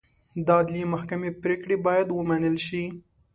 د عدلي محکمې پرېکړې باید ومنل شي.